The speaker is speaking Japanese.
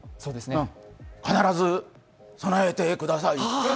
必ず備えてください。